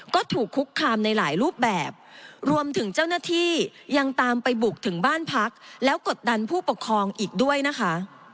ก็ถูกคุกคามในหลายรูปแบบรวมถึงเจ้าหน้าที่ยังตามไปบุกถึงบ้านพักแล้วกดดันผู้ปกครองอีกด้วยนะคะ